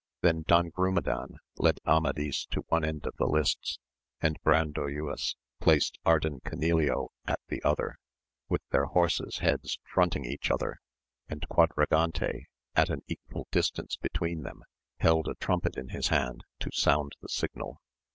Then Don Grumedan led Amadis to one end of the lists, and Brandoyuas placed Ardan Canileo at the other, with their horses' heads fronting each other ; and Quadragante, at an equal distance between them, held a trumpet in his hand to sound the signal.